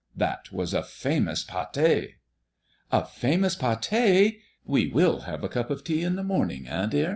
"That was a famous pâté!" "A famous pâté! We will have a cup of tea in the morning, eh, dear?"